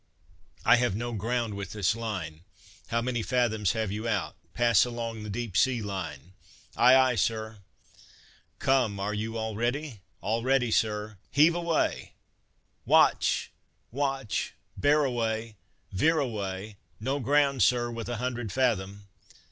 "I have no ground with this line." "How many fathoms have you out? pass along the deep sea line!" "Ay, ay, Sir." "Come are you all ready?" "All ready, Sir." "Heave away, watch! watch! bear away, veer away, no ground Sir, with a hundred fathom."